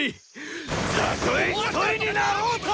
たとえ一人になろうとも！